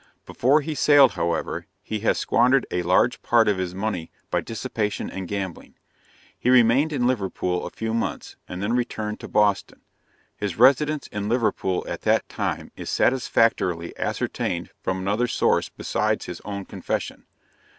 Before he sailed, however, he has squandered a large part of his money by dissipation and gambling. He remained in Liverpool a few months, and then returned to Boston. His residence in Liverpool at that time is satisfactorily ascertained from another source besides his own confession.